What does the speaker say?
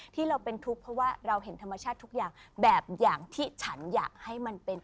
ที่เราเป็นทุกข์เพราะว่าเราเห็นธรรมชาติทุกอย่างแบบอย่างที่ฉันอยากให้มันเป็น